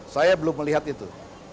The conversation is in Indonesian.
saya belum melihat itu